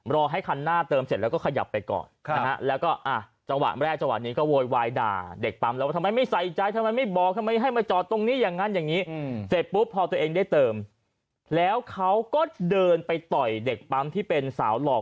รอให้คันหน้าเติมเสร็จแล้วก็ขยับไปก่อนนะฮะแล้วก็อ่ะจังหวะแรกจังหวะนี้ก็โวยวายด่าเด็กปั๊มแล้วว่าทำไมไม่ใส่ใจทำไมไม่บอกทำไมให้มาจอดตรงนี้อย่างนั้นอย่างนี้เสร็จปุ๊บพอตัวเองได้เติมแล้วเขาก็เดินไปต่อยเด็กปั๊มที่เป็นสาวหลอก